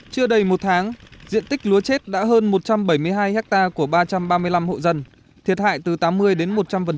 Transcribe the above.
chưa đầy một tháng diện tích lúa chết đã hơn một trăm bảy mươi hai hectare của ba trăm ba mươi năm hộ dân thiệt hại từ tám mươi đến một trăm linh